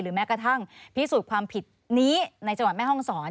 แม้กระทั่งพิสูจน์ความผิดนี้ในจังหวัดแม่ห้องศร